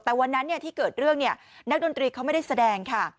แต่วันนั้นที่เกิดเรื่องนักดนตรีเขาไม่ได้แสดงค่ะ